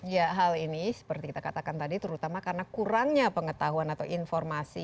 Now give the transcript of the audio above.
ya hal ini seperti kita katakan tadi terutama karena kurangnya pengetahuan atau informasi